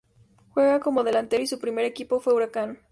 Juega como delantero y su primer equipo fue Huracán.